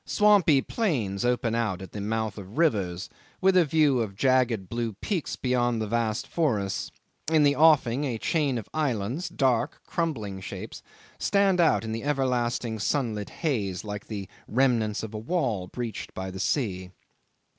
Swampy plains open out at the mouth of rivers, with a view of jagged blue peaks beyond the vast forests. In the offing a chain of islands, dark, crumbling shapes, stand out in the everlasting sunlit haze like the remnants of a wall breached by the sea.